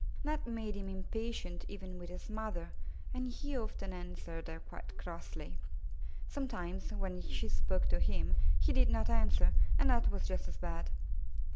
That made him impatient with even his mother, and he often answered her quite crossly. Some times, when she spoke to him, he did not answer, and that was just as bad.